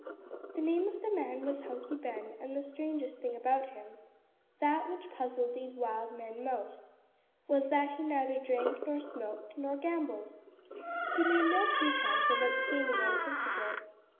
The name of the man was Hunky Ben, and the strangest thing about him that which puzzled these wild men most was that he neither drank nor smoked nor gambled! He made no pretence of abstaining on principle.